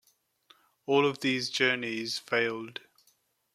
All of these journeys failed.